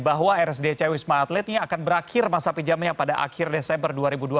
bahwa rsdc wisma atlet ini akan berakhir masa pinjamnya pada akhir desember dua ribu dua puluh